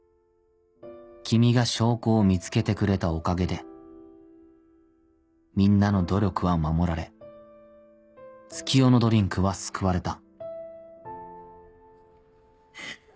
君が証拠を見つけてくれたおかげでみんなの努力は守られ月夜野ドリンクは救われた」。